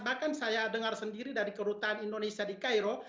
bahkan saya dengar sendiri dari kedutaan indonesia di cairo